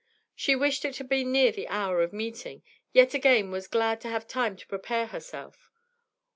She wished it had been near the hour of meeting, yet again was glad to have time to prepare herself.